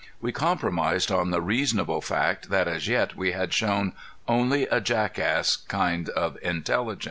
We compromised on the reasonable fact that as yet we had shown only a jackass kind of intelligence.